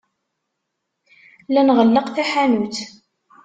La nɣelleq taḥanut.